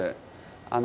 あの。